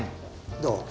どう？